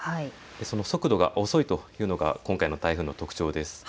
その速度が遅いというのが今回の台風の特徴です。